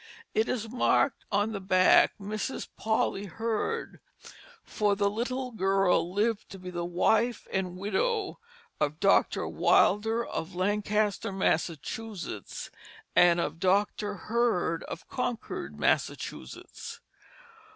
It is marked on the back Mrs. Polly Hurd; for the little girl lived to be the wife and widow of Dr. Wilder of Lancaster, Massachusetts, and of Dr. Hurd of Concord, Massachusetts.